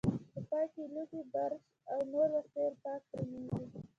په پای کې لوښي، برش او نور وسایل پاک پرېمنځئ.